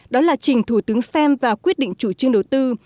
đó là trình thủ tướng xem và quyết định chủ trương đầu tư